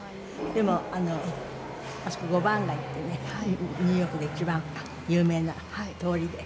でもあそこ５番街ってねニューヨークで一番有名な通りで。